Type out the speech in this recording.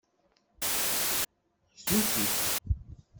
Htuti.